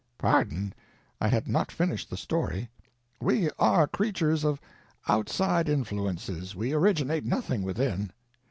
Pardon—I had not finished the story. We are creatures of outside influences—we originate nothing within.